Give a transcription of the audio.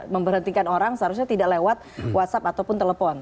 memberhentikan orang seharusnya tidak lewat whatsapp ataupun telepon